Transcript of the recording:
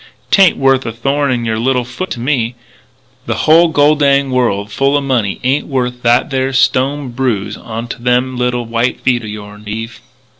'Tain't worth a thorn in your little foot to me.... The hull gol dinged world full o' money ain't worth that there stone bruise onto them little white feet o' yourn, Eve.